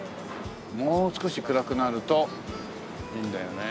もう少し暗くなるといいんだよね。